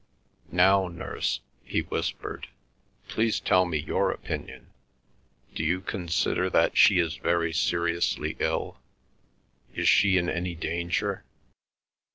"Now, Nurse," he whispered, "please tell me your opinion. Do you consider that she is very seriously ill? Is she in any danger?"